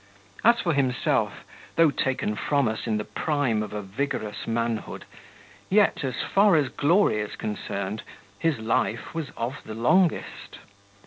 As for himself, though taken from us in the prime of a vigorous manhood, yet, as far as glory is concerned, his life was of the longest.